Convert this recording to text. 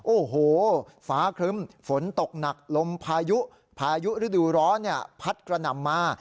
โอ้โหฟ้าครึ้มฝนตกหนักลมพายุพายุฤดูร้อนเนี่ยพัดกระหน่ำมา